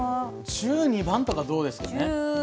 １２番とかどうですかね？